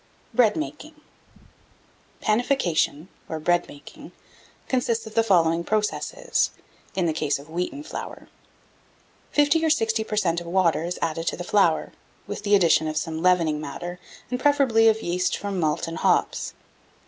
BREAD MAKING. 1675. PANIFICATION, or bread making, consists of the following processes, in the case of Wheaten Flour. Fifty or sixty per cent. of water is added to the flour, with the addition of some leavening matter, and, preferably, of yeast from malt and hops.